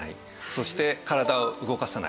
そして体を動かさない。